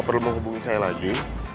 tapi kamu gak perlu menghubungi saya lagi